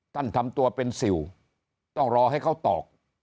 ทำตัวเป็นสิวต้องรอให้เขาตอก